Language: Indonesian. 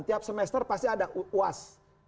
tiap semester pasti ada uas